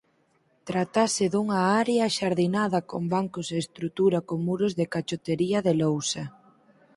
Tratase dunha área axardinada con bancos e estrutura con muros de cachotería de lousa.